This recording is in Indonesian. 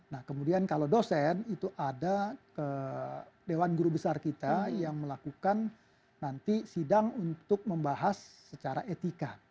nah kemudian kalau dosen itu ada dewan guru besar kita yang melakukan nanti sidang untuk membahas secara etika